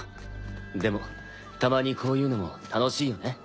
でもたまにこういうのも楽しいよね。